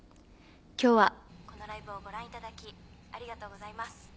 今日はこのライブをご覧いただきありがとうございます。